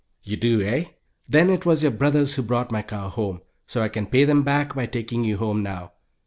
"You do, eh? Then it was your brothers who brought my cow home, so I can pay them back by taking you home now.